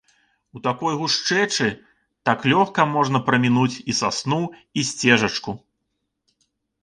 У такой гушчэчы так лёгка можна прамінуць і сасну і сцежачку.